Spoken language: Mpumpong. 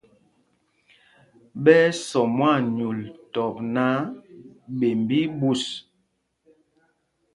Ɓɛ́ ɛ́ sɔ mwaanyûl tɔp náǎ, ɓemb í í ɓus.